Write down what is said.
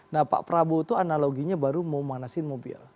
nah pak prabowo itu analoginya baru mau manasin mobil